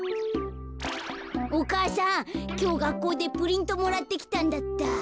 お母さんきょうがっこうでプリントもらってきたんだった。